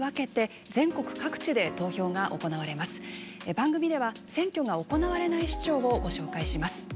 番組では選挙が行われない首長をご紹介します。